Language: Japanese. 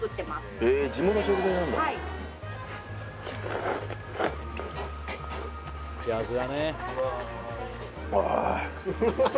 へえ地元の食材なんだ・